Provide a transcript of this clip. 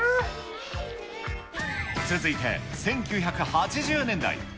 続いて１９８０年代。